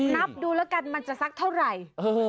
นับดูแล้วกันมันจะสักเท่าไหร่